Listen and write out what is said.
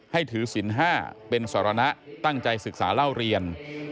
ให้ถือศิลป์๕เป็นสารณะตั้งใจศึกษาเล่าเรียน